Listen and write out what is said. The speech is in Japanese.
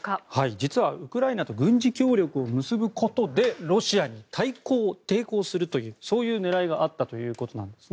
実はウクライナと軍事協力を結ぶことでロシアに対抗するという狙いがあったということです。